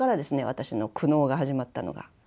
私の苦悩が始まったのが。